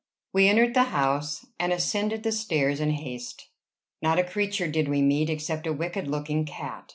We entered the house, and ascended the stairs in haste. Not a creature did we meet, except a wicked looking cat.